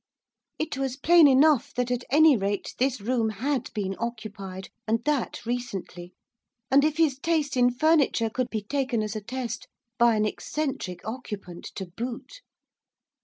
It was plain enough that, at any rate, this room had been occupied, and that recently, and, if his taste in furniture could be taken as a test, by an eccentric occupant to boot.